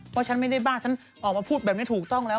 เพราะฉันไม่ได้บ้าฉันออกมาพูดแบบนี้ถูกต้องแล้ว